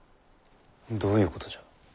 どういうことじゃ？